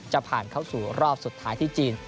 จะผ่านเข้าสู่รอบสุดท้ายที่จีน